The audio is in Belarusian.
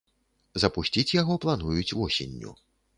Запусціць яго плануюць восенню.